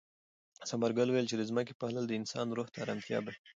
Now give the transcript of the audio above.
ثمرګل وویل چې د ځمکې پالل د انسان روح ته ارامتیا بښي.